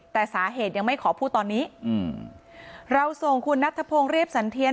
แต่สาเหตุยังไม่ขอพูดตอนนี้อืมเราส่งคุณนัทธพงศ์เรียบสันเทียน